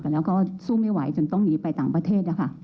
แต่แล้วก็สู้ไม่ไหวจนต้องหนีไปต่างประเทศนะคะ